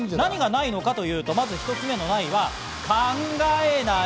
何がないのかというと、まず１つ目のないが、考えない。